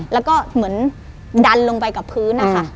แล้วก็เหมือนดันลงไปกับพื้นนะคะ